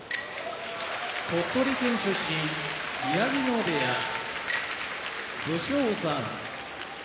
鳥取県出身宮城野部屋武将山